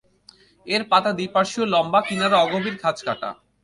এর পাতা দ্বি-পার্শ্বীয়, লম্বা, কিনারা অগভীর খাঁজকাটা।